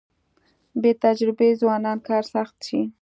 بې تجربې ځوانان کار سخت شي.